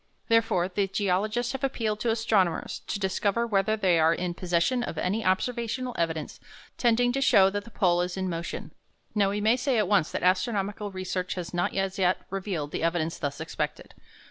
Therefore, the geologists have appealed to astronomers to discover whether they are in possession of any observational evidence tending to show that the pole is in motion. Now we may say at once that astronomical research has not as yet revealed the evidence thus expected.